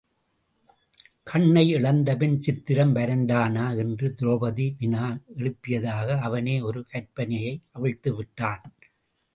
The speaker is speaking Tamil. கண்ணை இழந்தபின் சித்திரம் வரைந்தானா? என்று திரெளபதி வினா எழுப்பியதாக அவனே ஒரு கற்பனையை அவிழ்த்துவிட்டான்.